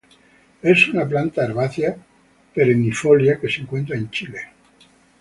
Es una planta herbácea perennifolia que se encuentra en Chile.